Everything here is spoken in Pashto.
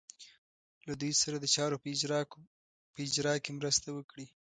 له دوی سره د چارو په اجرا کې مرسته وکړي.